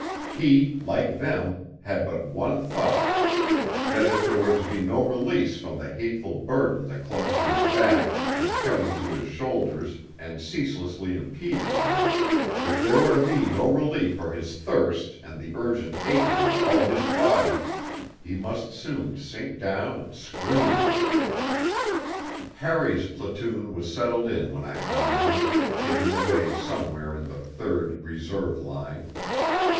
He, like them, had but one thought, that if there were to be no release from the hateful burden that clung to his back, and cut into his shoulders and ceaselessly impeded him, if there were to be no relief for his thirst and the urgent aching of all his body he must soon sink down and scream.... III Harry's platoon was settled in when I found him, hidden away somewhere in the third (Reserve) line.